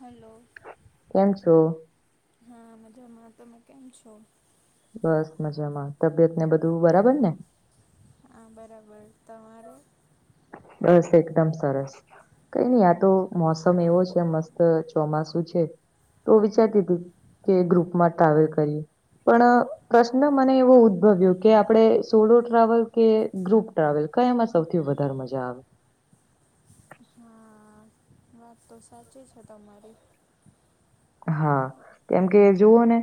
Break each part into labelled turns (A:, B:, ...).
A: હાલો.
B: કેમ છો?
A: હા મજામાં, તમે કેમ છો?
B: બસ મજામાં તબિયત ને બધું બરાબર ને?
A: હા બરાબર તમારે?
B: બસ એકદમ સરસ. કઈ નઈ આ તો મોસમ એવો છે મસ્ત ચોમાસું છે. એવું વિચારતી હતી કે ગ્રુપમાં ટ્રાવેલ કરીએ પણ પ્રશ્ન મને એવો ઉદભવ્યો કે આપણે સોલો ટ્રાવેલ કે ગ્રુપ ટ્રાવેલ? કયામાં સૌથી વધારે મજા આવે?
A: હા. વાત તો સાચી છે તમારી.
B: હા, કેમ કે જુઓ ને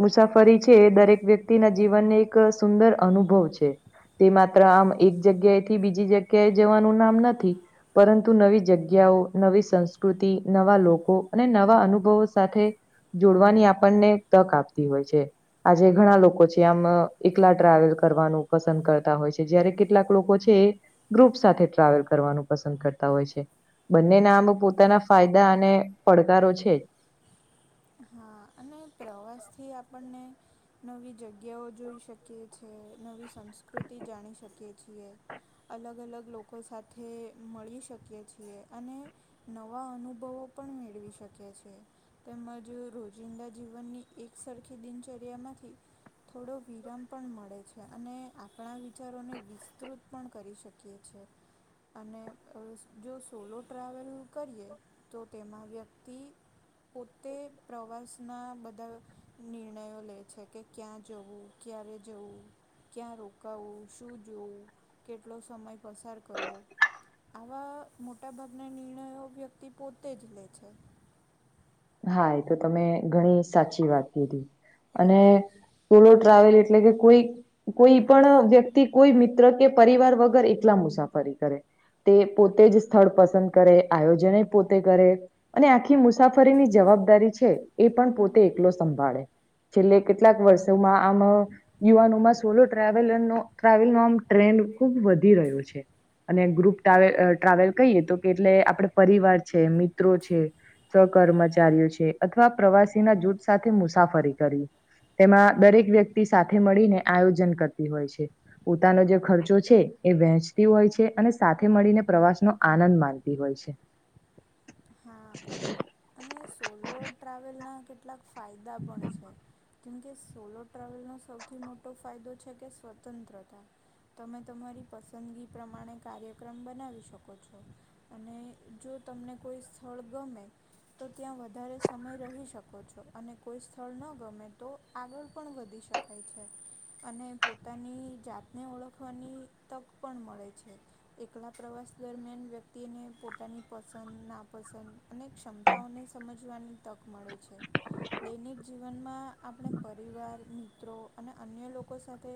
B: મુસાફરી છે એ દરેક વ્યક્તિના જીવનને એક સુંદર અનુભવ છે. તે માત્ર આમ એક જગ્યાએથી બીજી જગ્યા એ જવાનું નામ નથી. પરંતુ નવી જગ્યાઓ, નવી સંસ્કૃતિ, નવા લોકો અને નવા અનુભવો સાથે જોડવાની આપણને તક આપતી હોય છે. આજે ઘણા લોકો છે આમ એકલા ટ્રાવેલ કરવાનું પસંદ કરતા હોય છે જયારે કેટલાક લોકો છે એ ગ્રુપ સાથે ટ્રાવેલ કરવાનું પસંદ કરતા હોય છે. બંનેના આમ પોતાના ફાયદા અને પડકારો છે જ.
A: હા અને પ્રવાસથી આપણને નવી જગ્યાઓ જોઈ શકીએ છીએ, નવી સંસ્કૃતિ જાણી શકીએ છીએ. અલગ અલગ લોકો સાથે મળી શકીએ છીએ અને નવા અનુભવો પણ મેળવી શકીએ છીએ. તેમજ રોજિંદા જીવનની એકસરખી દિનચર્યામાંથી થોડો વિરામ પણ મળે છે અને આપણા વિચારોને વિસ્તૃત પણ કરી શક કીએ છે અને જો સોલો ટ્રાવેલ કરીએ તો તેમાં વ્યક્તિ પોતે પ્રવાસના બધા નિર્ણયો લે છે કે ક્યાં જવું, ક્યારે જવું ક્યાં રોકાવું, શું જોવું, કેટલો સમય પસાર કરવો. આવા મોટા ભાગના નિર્ણયો વ્યક્તિ પોતે જ લે છે.
B: હા, એ તમે ઘણી સાચી વાત કીધી અને સોલો ટ્રાવેલ એટલે કે કોઈ કોઈ પણ વ્યક્તિ કોઈ મિત્ર કે પરિવાર વગર એકલા મુસાફરી કરે. તે પોતે જ સ્થળ પસંદ કરે આયોજને પોતે કરે અને આખી મુસા ફરીની જવાબદારી છે એ પણ પોતે એકલો સંભાળે. છેલ્લે કેટલાક વર્ષોમાં આમ યુવાનોમાં સોલો ટ્રાવેલર નો ટ્રાવેલ ન આમ ટ્રેન્ડ ખુબ વધી રહ્યો છે. અને ગ્રુપ ટ્રાવેલ અ ટ્રાવેલ કહીએ તો કે એટલે આપડ પરિવાર છે, મિત્રો છે સહ ક્મચારીઓ છે અથવા પ્રવાસીના જૂથ સાથે મુસાફરી કરવી. તેમાં દરેક વ્યક્તિ સાથે મળીને આયોજન કરતી હોય છે. પોતાનો જે ખર્ચો છે એ વહેંચતી હોય છે અને સાથે મળીને પ્રવાસનો આનંદ માણતી હોય છે. [inaudible]
A: હા અને સોલો ટ્રાવેલના કેટલાક ફાયદા પણ છે. કેમ કે સોલો ટ્રાવેલનો સૌથી મોટો ફાયદો છે કે સ્વતંત્રતા તમે તમારી પસંદગી પ્રમાણે કાર્યક્રમ બનાવી શકો છો. અને જો તમને કોઈ સ્થળ ગમે તો ત્યાં વધારે સમય રહી શકો છો અને કોઈ સ્થળ ન ગમે તો આગળ પણ વધી શકાય છે. અને પોતાની જાતને ઓળખવાની તક પણ મળે છે. એકલા પ્રવાસ દરમિયાન વ્યક્તિને પોતાની પસંદ ના પસંદ અને ક્ષમતાઓને સમજવાની તક મળે છે દૈનિક જીવનમાં આપણે પરિવાર મિત્રો અને અન્ય લોકો સાથે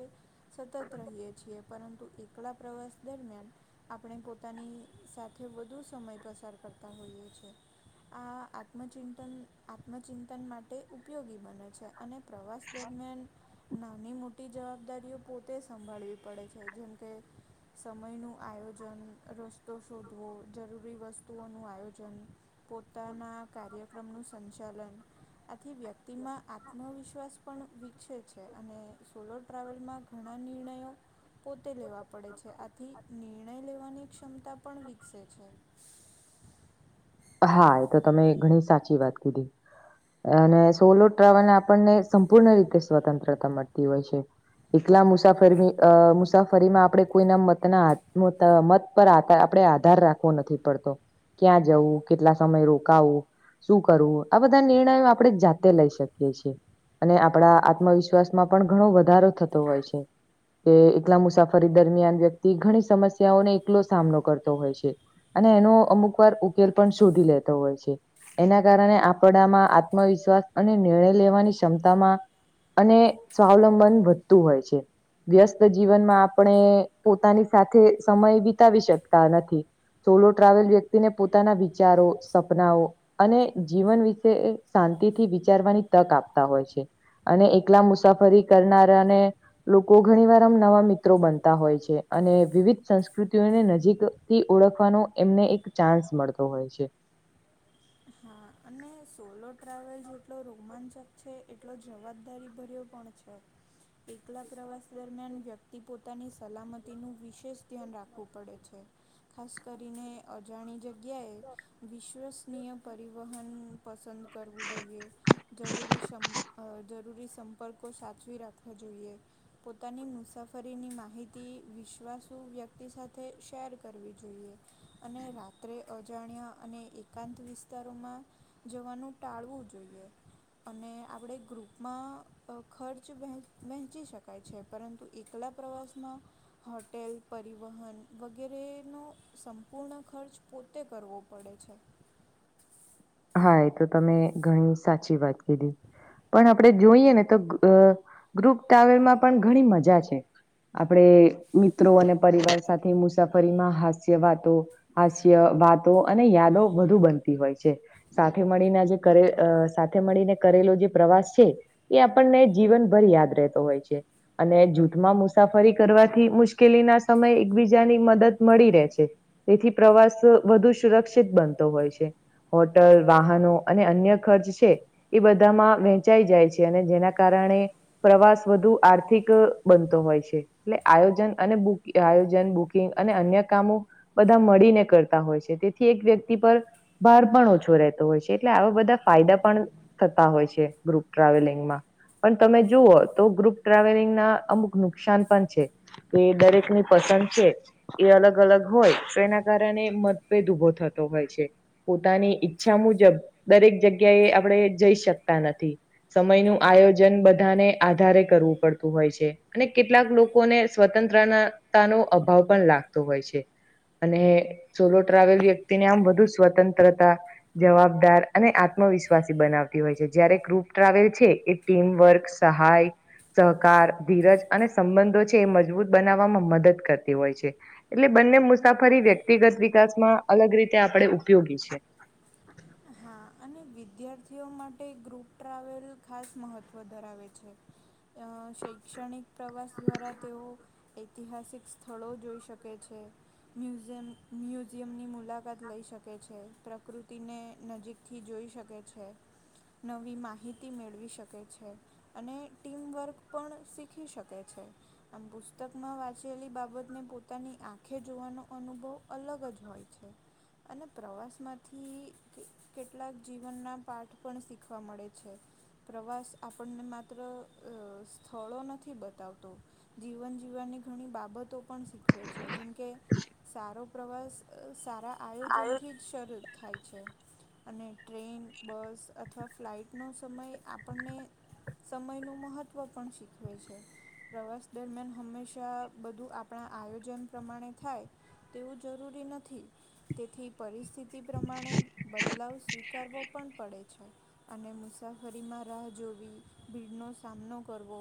A: સતત રહીએ છીએ પરંતુ એકલા પ્રવાસ દરમિયાન આપણે પોતાની સાથે વધુ સમય પસાર કરતા હોઈએ છીએ આ આત્મચિંતન આત્મચિંતન માટે ઉપયોગી બને છે. અને પ્રવાસ દરમિયાન નાની મોટી જવાબદારીઓ પોતે સંભાળવી પડે છે જેમ કે સમયનું આયોજન કરવું તો શોધવો જરૂરી વસ્તુઓનું આયોજન પોતાના કાર્યક્રમ નું સંચાલન આથી વ્યક્તિમાં આત્મવિશ્વાસ પણ વિકસે છે અને સોલો ટ્રાવેલમાં ઘણા નિર્ણયો પોતે લેવા પડે છે આથી નિર્ણય લેવાની ક્ષમતા પણ વિકસે છે.
B: હા એ તો તમે ઘણી સાચી વાત કીધી. અને સોલો ટ્રાવેલને આપણને સંપૂર્ણ રીતે સ્વતંત્રતા મળતી હોય છે. એકલા મુસાફરી અ મુસાફરીમાં આપણેે કોઈના મત ના મત પર આ આપણેે આધાર રાખવો નથી પડતો ક્યાં જવું કેટલા સમય રોકાવો શું કરવું આ બધા નિર્ણયો આપણે જાતે લઈ શકીએ છીએ. અને આપણા આત્મવિશ્વાસ માં પણ ઘણો વધારો થતો હોય છે. કે એકલા મુસાફરી દરમિયાન વ્યક્તિ ઘણી સમસ્યાઓને એકલો સામનો કરતો હોય છે. અને એનો અમુક વાર ઉકેલ પણ શોધી લેતો હોય છે. એના કારણે આપડામાં આત્મવિશ્વાસ અને નિર્ણય લેવાની ક્ષમતામાં અને શ્લંબન વધતું હોય છે. વ્યસ્ત જીવનમાં આપણે પોતાની સાથે સમય વિતાવી શકતા નથી. સોલો ટ્રાવેલ વ્યક્તિને પોતાના વિચારો સપનાઓ અને જીવન વિશે શાંતિથી વિચારવાની તક આપતા હોય છે. અને એકલા મુસાફરી કરનારાને લોકો ઘણી વાર આમ નવા મિત્રો બનતા હોય છે અને વિવિધ સંસ્કૃતિઓને નજીક થી ઓળખવાનો એમને એક ચાન્સ મળતો હોય છે.
A: હા અને સોલો ટ્રાવેલ જેટલો રોમાંચક છે એટલો જવાબદારી ભર્યો પણ છે. [unintelligible] એકલા પ્રવાસ દરમિયાન વ્યક્તિ પોતાની સલામતીનું વિશેષ ધ્યાન રાખવું પડે છે. ખાસ કરીને અજાણી જગ્યાએ વિશ્વસનીય વહન પસંદ કરવું જોઈએ જરૂરી સમ જરૂરી સંપર્કો સાચવી રાખવા જોઈએ. પોતાની મુસાફરીની માહિતી વિશ્વાસુ વ્યક્તિ સાથે શેર કરવી જોઈએ. અને રાત્રે અજાણ્યા અને એકાંત વિસ. સ્તારમાં જવાનું ટાળવું જોઈએ. અને આપણે ગ્રુપમાં ખર્ચ વહે વહેંચી શકાય છે પરંતુ. એકલા પ્રવાસમાં હોટેલ. પરિવહન વગેરેનો સંપૂર્ણ ખર્ચ પોતે કરવો પડે છે.
B: હા એ તો તમે ઘણી સાચી વાત કીધી. પણ આપડે જોઈએ ને તો ગ્રુપ ટ્રાવેલમાં પણ ઘણી મજા છે. આપણે મિત્રો અને પરિવાર સાથે મુસાફરીમાં હાસ્ય વાતો. હાસ્ય વાતો અને યાદો વધુ બનતી હોય છે સાથે મળીને જે કરે અ સાથે મળીને કરેલો જે પ્રવાસ છે. એ આપણને જીવનભર યાદ રહેતો હોય છે. અને જૂથમાં મુસાફરી કરવાથી મુશ્કેલી ના સમયે એકબીજાની મદદ મળી રે છે. તેથી પ્રવાસ વધુ સુરક્ષિત બનતો હોય છે. ટલ વાહનો અને અન્ય ખર્ચ છે. એ બધામાં વેંચાઈ જાય છે અને જેના કારણે. પ્રવાસ વધુ આર્થિક બનતો હોય છે. એટલે આયોજન અને બુ આયોજન બુકિંગ અને અન્ય કામો.. બધા મળીને કરતા હોય છે તેથી એક વ્યક્તિ પર ભાર પણ ઓછો.. થતો રેતો હોય છે એટલે આવા બધા ફાયદા પણ થતા હોય છે ગૃપ ટ્રાવેલિંગમાં.. પણ તમે જુઓ તો ગ્રુપ ટ્રાવેલિંગ ના અમુક નુકસાન પણ છે. તો એ દરેક ની પસંદ છે. એ અલગ અલગ હોય તો એના કારણે મતભેદ ઉભો થતો હોય છે પોતાની.. ઈચ્છા મુજબ દરેક જગ્યા એ આપણેે જઈ શકતા નથી. સમય નું આયોજન બધાને આધારે કરવું પડતું હોય છે. અને કેટલાક લોકોને સ્વતંત્રતાનો અભાવ પણ લાગતો હોય છે. અને સોલો ટ્રાવેલ વ્યક્તિને આમ વધુ સ્વતંત્રતા.. જવાબદાર અને આત્મવિશ્વાસી બનાવતી હોય છે જય્યારે ગૃપ ટ્રાવેલ છે એ. ટીમ વર્ક સહાય. સહકાર ધીરજ અને સંબંધો છે એ મજબૂત બનાવવામાં મદદ કરતી હોય છે. એટલે બંને મુસાફરી વ્યક્તિગત વિકાસમાં અલગ રીતે આપડે ઉપયોગી છે.
A: હા, અને વિદ્યાર્થીઓ માટે ગ્રુપ ટ્રાવેલ ખાસ મહત્ત્વ ધરાવે છે. અ શૈક્ષણિક પ્રવાસ દ્વારા તેઓ.. ઐતિહાસિક સ્થળો જોઈ શકે છે. મ્યુઝિમ મ્યુઝિયમ ની મુલાકાત લઈ શકે છે પ્રકૃતિને.. નજીકથી જોઈ શકે છે નવી માહિતી મેળવી શકે છે. અને ટીમવર્ક પણ શીખી શકે છે. આમ પુસ્તકમાં વાંચેલી બાબતને પોતાની આંખે જોવાનો અનુભવ અલગ જ હોય છે. અને પ્રવાસમાંથી.. કે કેટલાક જીવનના પાઠ પણ શીખવા મળે છે. પ્રવાસ આપણને માત્ર સ્થળો નથી બતાવતો. જીવન જીવવાની ઘણી બાબતો.. પણ શીખવે છે જેમકે સારો પ્રવાસ સારા આયોજનથી જ.. શરૂ થાય છે. અને ટ્રેન બસ અથવા ફ્લાઇટનો સમય આપણને.. સમયનું મહત્વ પણ શીખવે છે. પ્રવાસ દરમિયાન હંમેશા બધું આપણા આયોજન પ્રમાણે થાય. તેવું જરૂરી નથી તેથી પરિસ્થિતિ પ્રમાણે.. બદલાવ સ્વીકારવો પણ પડે છે. અને મુસાફરીમાં રાહ જોવી, ભીડનો સામનો કરવો..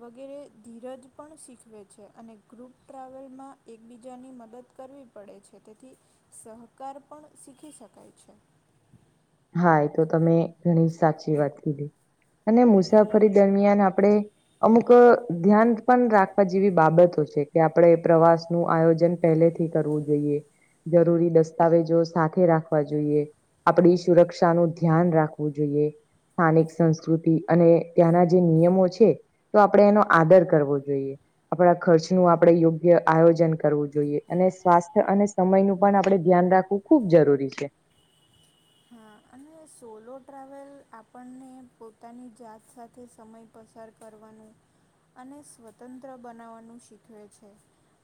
A: વગેરે ધીરજ પણ શીખવે છે, અને ગ્રુપ ટ્રાવેલમાં એકબીજાની મદદ કરવી. પડે છે તેથી સહકાર પણ શીખી શકાય છે.
B: હા, એ તો તમે ઘણી સાચી વાત કીધી. અને મુસાફરી દરમિયાન આપડે. અમુક ધ્યાન પણ રાખવા જેવી બાબતો છે કે આપણે પ્રવાસ નું આયોજન.. પહેલેથી કરવું જોઈએ, જરૂરી દસ્તાવેજો સાથે રાખવા જોઈએ આપડી.. સુરક્ષાનું ધ્યાન રાખવું જોઈએ. સ્થાનિક સંસ્કૃતિ અને ત્યાંના જે નિયમો છે. તો આપડે એનો આદર કરવો જોઈએ. આપડા ખર્ચ નું આપડે યોગ્ય આયોજન કરવું જોઈએ અને સ્વાસ્થ્ય અને... સમય નું પણ આપણે ધ્યાન રાખવું ખુબ જરૂરી છે.
A: હા, અને સોલો ટ્રાવેલ આપણને પોતાની જાત સાથે સમય.. પસાર કરવાનું અને સ્વતંત્ર બનાવવાનું શીખવે છે.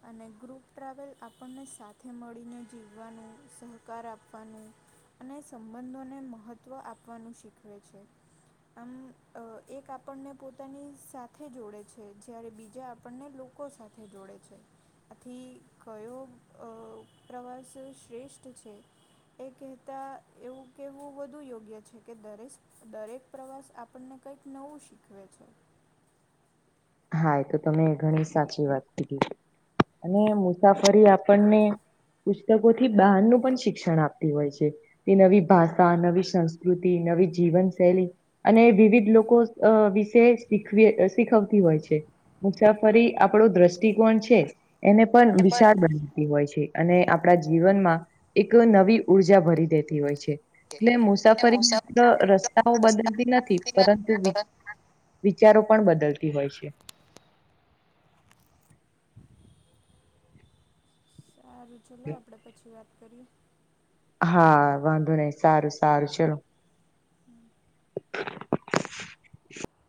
A: અને ગ્રુપ ટ્રાવેલ આપણને સાથે મળીને જીવવાનું સહકાર આપવાનું.. અને સંબંધોને મહત્ત્વ આપવાનું શીખવે છે. આમ અ એક આપણને પોતાની સાથે જોડે છે, જયારે બીજા આપણને લો લોકો સાથે જોડે છે. આથી કયો અ પ્રવાસ શ્રેષ્ઠ છે એ કે તા એવું કહેવું વધુ યોગ્ય છે, કે દરેશ દરેક પ્રવાસ આપણને કંઈક નવું શીખવે છે.
B: હા એ તો તમે ઘણી સાચી વાત કીધી અને મુસાફરી આપણને પુસ્તકો થી બહારનું પણ શિક્ષણ આપતી હોય છે. તે નવી ભાષા, નવી સંસ્કૃતિ, નવી જીવનશૈલી અને વિવિધ લોકો વિશે શીખવે શીખવ હોય છે મુસાફરી આપણો દ્રષ્ટિકોણ છે, એને પણ વિશાળ બને હોય છે અને આપણા જીવનમાં એક નવી ઉર્જા ભરી દેતી હોય છે. એટલે
A: એ
B: મુસાફરી માત્ર રસ્તાઓ બદલતી નથી
A: મુસાફરી
B: પરંતુ વી વિચારો પણ બદલતી હોય છે.
A: સારું ચલો આપણે પછી વાત કરીએ.
B: હા વાંધો નહી સારું સારું ચલો.
A: [inaudible]
B: [inaudible]